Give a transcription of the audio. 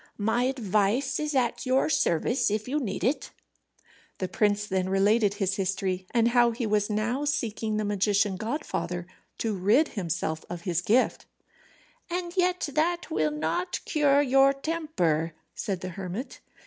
My advice is at your service if you need it." The prince then related his history, and how he was now seeking the magician godfather, to rid himself of his gift. "And yet that will not cure your temper," said the hermit.